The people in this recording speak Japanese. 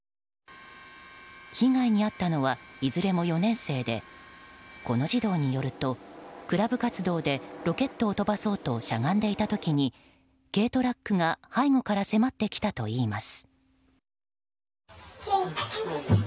被害に遭ったのはいずれも４年生でこの児童によるとクラブ活動でロケットを飛ばそうとしゃがんでいた時に軽トラックが背後から迫ってきたといいます。